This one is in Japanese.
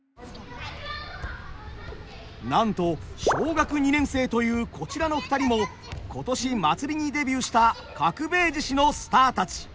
なんと小学２年生というこちらの２人も今年祭りにデビューした角兵衛獅子のスターたち。